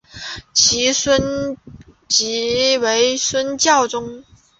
其孙即为宋孝宗。